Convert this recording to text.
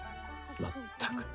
まったく。